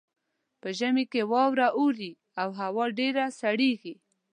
په ژمي کې واوره اوري او هوا ډیره سړیږي